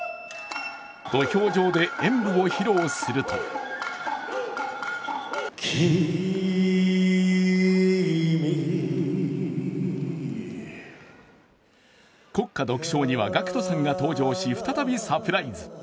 土俵上で演舞を披露すると国歌独唱にはＧＡＣＫＴさんが登場し再びサプライズ。